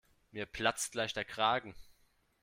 Mir platzt gleich der Kragen.